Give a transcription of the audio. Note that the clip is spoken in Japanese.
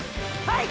はい！！